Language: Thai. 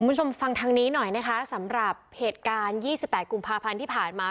คุณผู้ชมฟังทางนี้หน่อยนะคะสำหรับเหตุการณ์๒๘กุมภาพันธ์ที่ผ่านมา